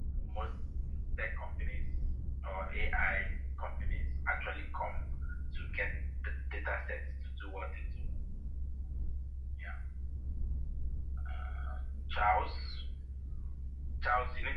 Ọ bụ nnọọ oge ọñụ na oge inye ike maka ije oziọma